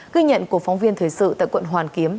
ghi nhận của phóng viên thời sự tại quận hoàn kiếm